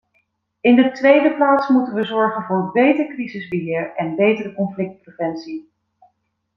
In de tweede plaats moeten we zorgen voor beter crisisbeheer en betere conflictpreventie.